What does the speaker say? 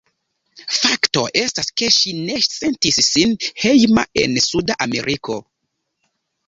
Fakto estas ke ŝi ne sentis sin hejma en Suda Ameriko.